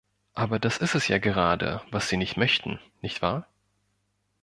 Aber das ist es ja gerade, was Sie nicht möchten, nicht wahr?